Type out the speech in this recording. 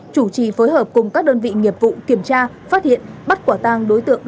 chủ trì phối hợp cùng các đơn vị nghiệp vụ kiểm tra phát hiện bắt quả tang đối tượng